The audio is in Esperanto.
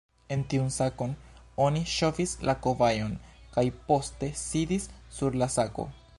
En tiun sakon oni ŝovis la kobajon, kaj poste sidis sur la sako.